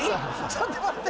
ちょっと待って。